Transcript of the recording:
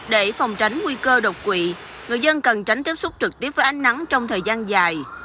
để phòng tránh nguy cơ độc quỷ người dân cần tránh tiếp xúc trực tiếp với ánh nắng trong thời gian dài